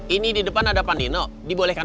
ini di depan ada pak nino dibolehkan